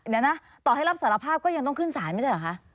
เดี๋ยวนะต่อให้รับสารภาพก็ยังต้องขึ้นศาลไม่ใช่เหรอคะ